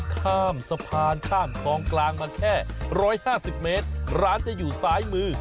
ข้ามสะพานข้ามคลองกลางมาแค่๑๕๐เมตรร้านจะอยู่ซ้ายมือ